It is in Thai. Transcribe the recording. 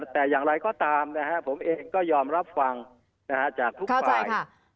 แต่อย่างไรก็ตามผมเองก็ยอมรับฟังจากทุกฝ่าย